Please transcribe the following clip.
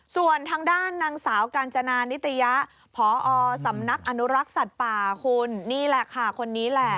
ส่วนทางด้านนางสาวกาญจนานิตยะพอสำนักอนุรักษ์สัตว์ป่าคุณนี่แหละค่ะคนนี้แหละ